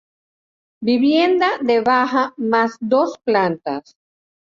Vivienda de baja más dos plantas.